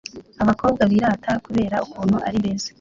abakobwa birata kubera ukuntu ari beza